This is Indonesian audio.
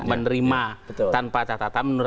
menerima tanpa catatan